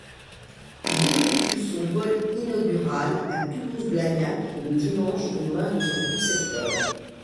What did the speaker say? Il effectue son vol inaugural à Toulouse-Blagnac le dimanche aux mains de son concepteur.